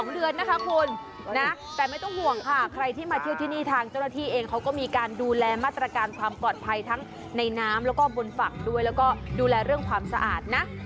๒เดือนนะคะคุณนะแต่ไม่ต้องห่วงค่ะใครที่มาเที่ยวที่นี่ทางเจ้าหน้าที่เองเขาก็มีการดูแลมาตรการความปลอดภัยทั้งในน้ำแล้วก็บนฝั่งด้วยแล้วก็ดูแลเรื่องความสะอาดนะ